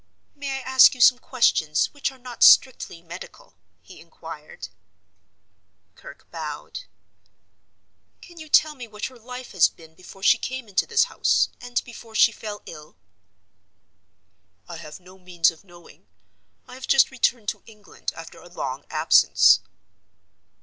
"May I ask you some questions which are not strictly medical?" he inquired. Kirke bowed. "Can you tell me what her life has been before she came into this house, and before she fell ill?" "I have no means of knowing. I have just returned to England after a long absence."